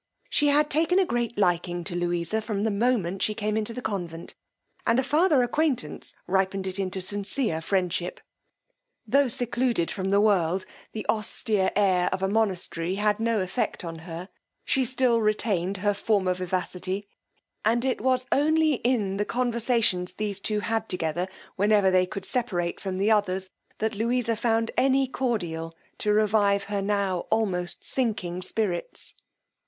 She had taken a great liking to Louisa from the moment she came into the convent, and a farther acquaintance ripened it into a sincere friendship. Tho' secluded from the world, the austere air of a monastery had no effect upon her, she still retained her former vivacity; and it was only in the conversations these two had toge whenever they could separate from the others, that Louisa found any cordial to revive her now almost sinking spirits.